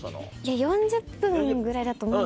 ４０分ぐらいだと思うんですよ。